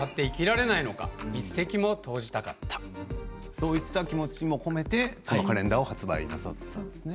そういった気持ちも込めてこのカレンダーを発売なさったんですね。